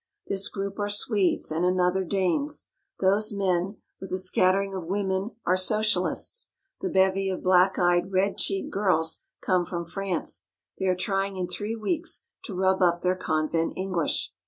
This group are Swedes; and another Danes; those men, with a scattering of women, are Socialists; the bevy of black eyed, red cheeked girls come from France; they are trying in three weeks to rub up their convent English.